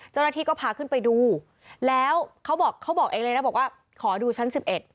เจ้าหน้าที่ก็พาขึ้นไปดูแล้วเขาบอกเองเลยนะบอกว่าขอดูชั้น๑๑